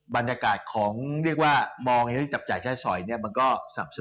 บรรยากาศของเรียกว่ามองจับจ่ายใช้สอยเนี่ยมันก็สรรพสมกัน